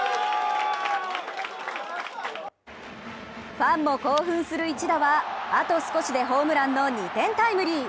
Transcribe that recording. ファンも興奮する一打はあと少しでホームランの２点タイムリー。